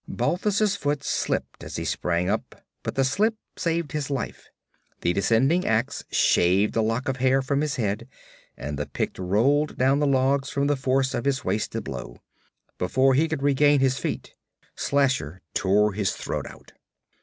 Balthus' foot slipped as he sprang up, but the slip saved his life. The descending ax shaved a lock of hair from his head, and the Pict rolled down the logs from the force of his wasted blow. Before he could regain his feet Slasher tore his throat out.